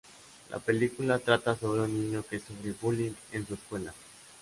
La película trata sobre un niño que sufre bullying en su escuela.